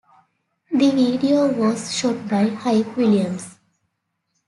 The video was shot by Hype Williams.